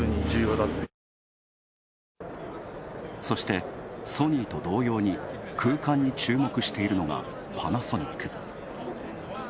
そして、ソニーと同様に空間に注目しているのがパナソニック。